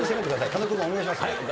金子君お願いしますね。